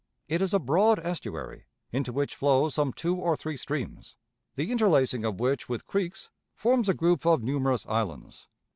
It is a broad estuary, into which flow some two or three streams, the interlacing of which with creeks forms a group of numerous islands.